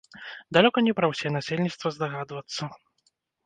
Далёка не пра ўсе насельніцтва здагадвацца.